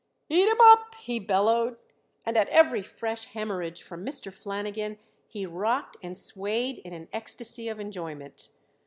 "Eat him up!" he bellowed, and at every fresh hemorrhage from Mr. Flanagan he rocked and swayed in an ecstasy of enjoyment.